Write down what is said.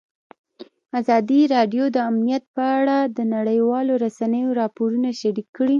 ازادي راډیو د امنیت په اړه د نړیوالو رسنیو راپورونه شریک کړي.